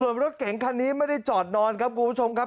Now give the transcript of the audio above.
ส่วนรถเก๋งคันนี้ไม่ได้จอดนอนครับคุณผู้ชมครับ